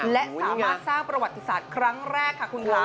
และสามารถสร้างประวัติศาสตร์ครั้งแรกค่ะคุณคะ